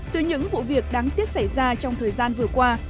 từ những vụ việc đáng tiếc xảy ra trong thời gian vừa qua